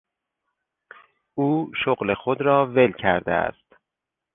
او شغل خود را ول کرده است.